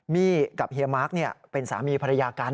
มี่กับเฮียมาร์คเป็นสามีภรรยากัน